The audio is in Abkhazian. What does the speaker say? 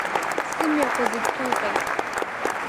Сымҩақәа зегьы ԥуҟеит.